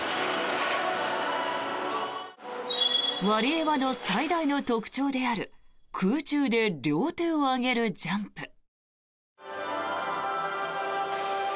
ワリエワの最大の特徴である空中で両手を上げるジャンプ。